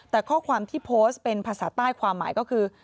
แต่ข้อความที่โพสต์เป็นภาษาใต้ความหมายก็คือ